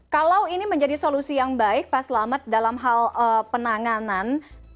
kalau ini menjadi solusi yang baik pak selamet dalam hal penanganan